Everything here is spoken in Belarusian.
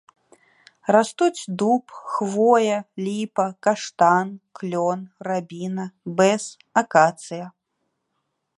Растуць дуб, хвоя, ліпа, каштан, клён, рабіна, бэз, акацыя.